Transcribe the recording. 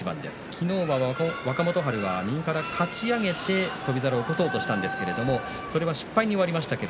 昨日、若元春は右からかち上げて翔猿を起こそうとしたんですが失敗に終わりました。